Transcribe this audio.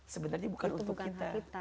sebenarnya bukan untuk kita